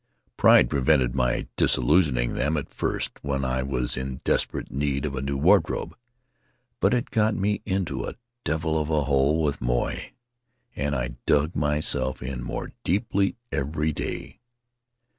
Pride prevented my disillusioning them at first when I was in desperate need of a new wardrobe; but it got me into a devil of a hole with Moy, and I dug myself in more deeply every day.